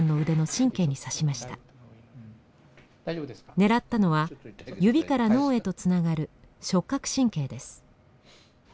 狙ったのは指から脳へとつながる触覚神経です。